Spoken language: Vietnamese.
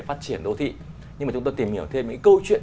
hãy dùng nó để thể hiện